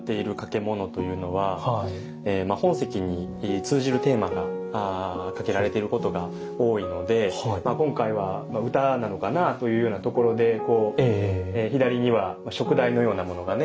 物というのは本席に通じるテーマが掛けられていることが多いので今回は詩なのかなというようなところで左には燭台のようなものがね